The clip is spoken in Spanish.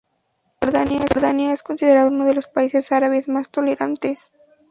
Jordania es considerado uno de los países árabes más tolerantes.